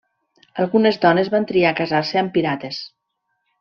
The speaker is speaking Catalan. Algunes dones van triar casar-se amb pirates.